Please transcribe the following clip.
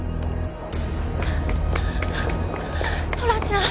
トラちゃん！